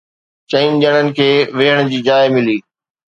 چئن ڄڻن کي ويهڻ جي جاءِ ملي